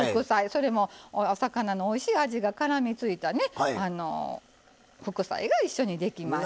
それもお魚のおいしい味がからみついたね副菜が一緒にできます。